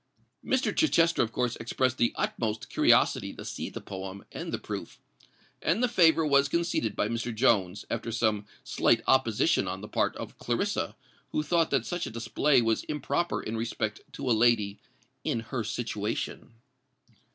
Mr. Chichester of course expressed the utmost curiosity to see the poem and the proof; and the favour was conceded by Mr. Jones, after some slight opposition on the part of Clarissa, who thought that such a display was improper in respect to a lady "in her situation."